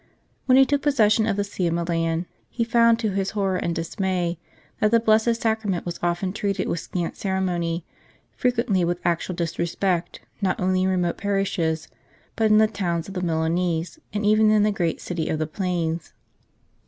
When he took possession of the See of Milan, he found to his horror and dismay that the Blessed Sacrament was often treated with scant ceremony, frequently with actual disrespect, not only in remote parishes, but in the towns of the Milanese and even in the great City of the Plains.